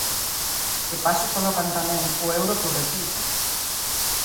De paso colocan tamén o euro por receita.